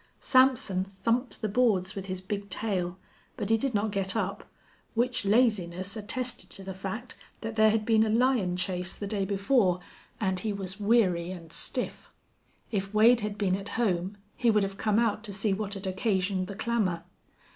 Sampson thumped the boards with his big tail, but he did not get up, which laziness attested to the fact that there had been a lion chase the day before and he was weary and stiff. If Wade had been at home he would have come out to see what had occasioned the clamor.